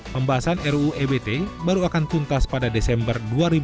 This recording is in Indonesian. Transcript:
pembahasan ruu ebt baru akan tuntas pada desember dua ribu dua puluh